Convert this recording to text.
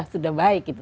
sudah baik gitu